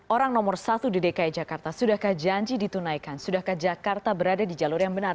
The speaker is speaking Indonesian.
orang nomor satu di dki jakarta sudahkah janji ditunaikan sudahkah jakarta berada di jalur yang benar